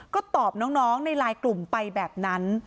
ก็ตอบน้องในไลน์กลุ่มไปแบบนั้น